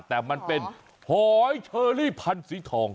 แต่มันเป็นหอยเชอรี่พันธุ์สีทอง